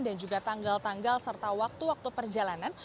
dan juga tanggal tanggal serta waktu waktu perjalanan